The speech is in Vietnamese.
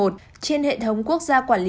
trên hệ thống quốc gia quản lý